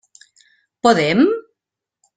Podem?